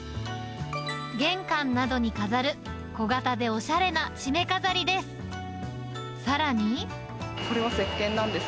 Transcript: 玄関などに飾る、小型でおしゃれなしめ飾りです。